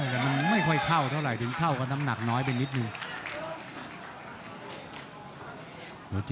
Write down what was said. แต่มันไม่ค่อยเข้าเท่าไหร่ถึงเข้ากับน้ำหนักน้อยไปนิดนึง